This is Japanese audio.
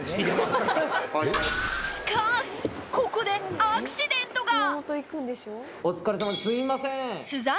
ここでアクシデントが！